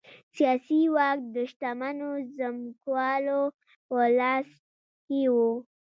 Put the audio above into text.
سیاسي واک د شتمنو ځمکوالو په لاس کې و